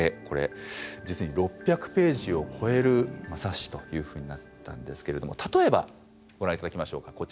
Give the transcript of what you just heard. これ実に６００ページを超える冊子というふうになったんですけれども例えばご覧頂きましょうか。